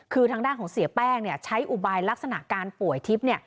คือทางด้านของเสียแป้งใช้อุบายลักษณะการป่วยทิพย์